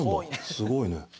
すごいね。